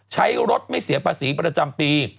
ใช้รถไม่เสียภาษีประจำปี